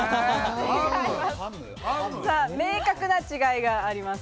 明確な違いがあります。